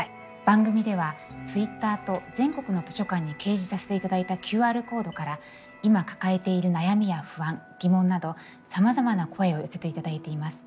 番組ではＴｗｉｔｔｅｒと全国の図書館に掲示させていただいたＱＲコードから今抱えている悩みや不安疑問などさまざまな声を寄せていただいています。